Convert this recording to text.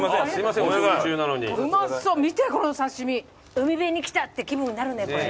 海辺に来たって気分になるねこれ。